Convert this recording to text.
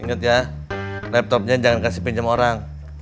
ingat ya laptopnya jangan kasih pinjam orang